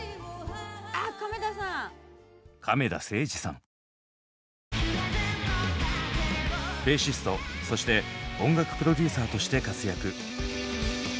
あっ亀田さん！ベーシストそして音楽プロデューサーとして活躍。